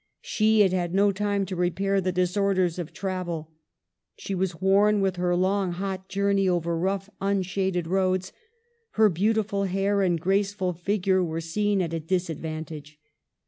She had had no time to repair the disorders of travel ; she was worn with her long, hot journey over rough, unshaded roads. Her beautiful hair and graceful figure were seen at a disadvantage.